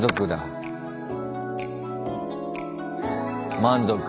満足。